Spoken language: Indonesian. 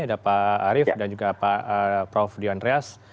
ada pak arief dan juga pak prof dwi andrias